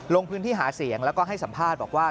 ลงพื้นที่หาเสียงแล้วก็ให้สัมภาษณ์บอกว่า